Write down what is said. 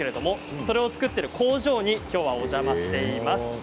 それを作っている工場にお邪魔しています。